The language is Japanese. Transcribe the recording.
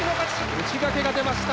内掛けが出ました。